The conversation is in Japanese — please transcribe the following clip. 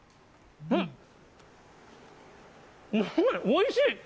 おいしい！